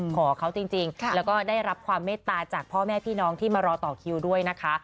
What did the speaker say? ขอเขาจริงแล้วก็ได้รับความเมตตาจากพ่อแม่พี่น้องที่มารอต่อคิวด้วยนะคะ